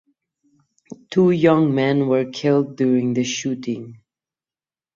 Two young men were killed during the shooting.